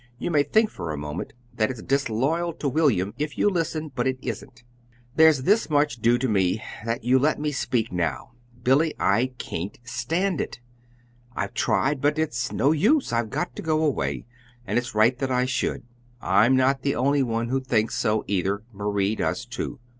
You may think, for a moment, that it's disloyal to William if you listen; but it isn't. There's this much due to me that you let me speak now. Billy, I can't stand it. I've tried, but it's no use. I've got to go away, and it's right that I should. I'm not the only one that thinks so, either. Marie does, too."